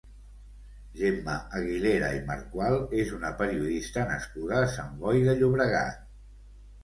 Gemma Aguilera i Marcual és una periodista nascuda a Sant Boi de Llobregat.